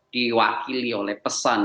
diwakili oleh pesan